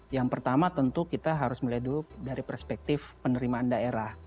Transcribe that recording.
yang pertama tentu kita harus meleduk dari perspektif penerimaan daerah